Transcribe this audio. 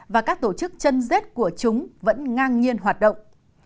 và các tổ chức chân dết của chúng vẫn ngang nhiên hoạt động